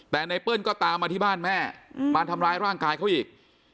แต่ไนเปิ้ลก็ตามมาที่บ้านแม่มาทำร้ายร่างกายเขาอีก